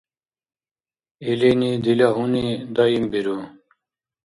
Илини дила гьуни даимбиру.